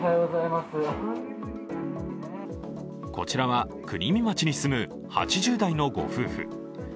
こちらは国見町に住む８０代のご夫婦。